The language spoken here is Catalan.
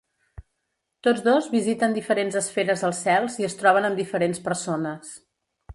Tots dos visiten diferents esferes als cels i es troben amb diferents persones.